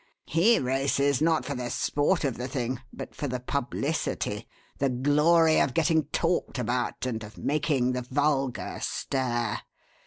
He races not for the sport of the thing, but for the publicity, the glory of getting talked about, and of making the vulgar stare.